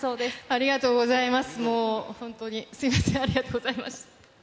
ありがとうございます。